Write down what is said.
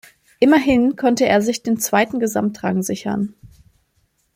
Immerhin konnte er sich den zweiten Gesamtrang sichern.